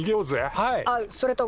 はい。